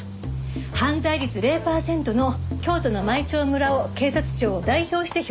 犯罪率０パーセントの京都の舞澄村を警察庁を代表して表彰するために来たの。